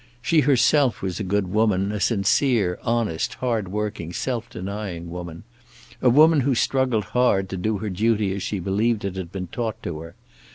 She herself was a good woman, a sincere, honest, hardworking, self denying woman; a woman who struggled hard to do her duty as she believed it had been taught to her.